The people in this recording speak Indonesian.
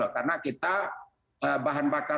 karena kita bahan bakar